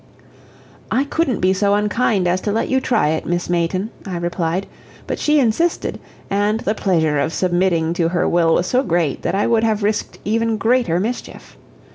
"I couldn't be so unkind as to let you try it, Miss Mayton," I replied. But she insisted, and the pleasure of submitting to her will was so great that I would have risked even greater mischief.